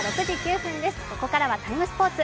ここからは「ＴＩＭＥ，スポーツ」